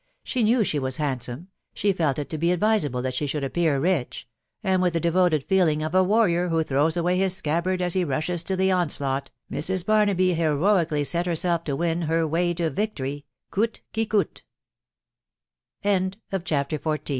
She knew she was handsome, sk felt it to be advisable that she should appear rich ; and will the devoted feeling of a warrior who throws away his scabbard as he rushes to the onslaught, Mrs. Barnaby heroically set herself to win her way to victory — co&te qui oo&te* CHAPTER XV. VIW HOPES B